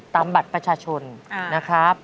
บัตรประชาชนนะครับ